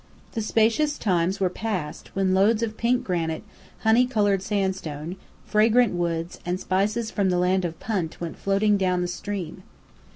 The spacious times were past, when loads of pink granite, honey coloured sandstone, fragrant woods, and spices from the Land of Punt, went floating down the stream!